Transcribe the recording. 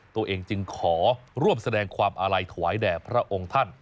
ตัวเองจึงขอร่วมแสดงความอาลัยถวายแด่พระองค์ท่าน